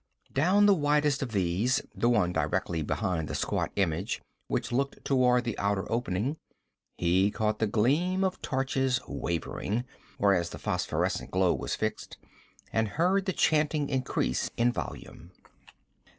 Down the widest of these the one directly behind the squat image which looked toward the outer opening he caught the gleam of torches wavering, whereas the phosphorescent glow was fixed, and heard the chanting increase in volume.